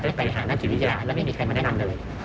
ได้ไปหานักศิริยาและไม่มีใครมาแนะนำเลย